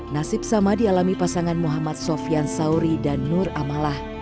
nasib sama dialami pasangan muhammad sofian sauri dan nur amalah